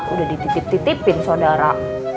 udah dititip titipin sodara